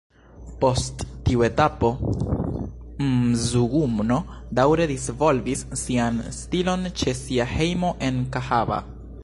Post tiu etapo Mzuguno daŭre disvolvis sian stilon ĉe sia hejmo en Kahaba.